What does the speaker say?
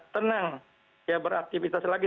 tenang ya beraktivitas lagi